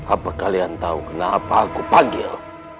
apa kalian tahu kenapa aku panggil